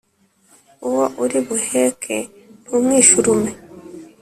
“uwo uri buheke ntumwisha urume!”